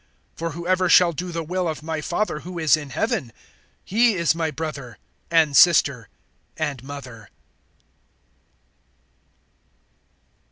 (50)For whoever shall do the will of my Father who is in heaven, he is my brother, and sister, and mother.